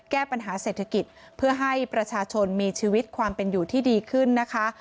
แก้ปัญหาเศรษฐกิจเพื่อให้ประชาชนมีชีวิตความเป็นอยู่ที่ดีขึ้นนะคะ